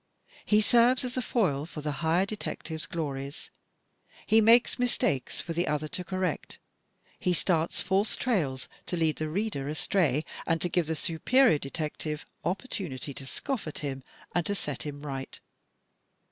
He serves as a foil for the higher detective's glories. He makes mistakes for the other to correct. He starts false trails to lead the reader astray and to give the superior detect ive opportunity to scoff at him and to set him right.